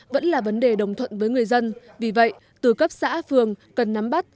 vẫn là vấn đề đồng thuận với người dân vì vậy từ cấp xã phường cần nắm bắt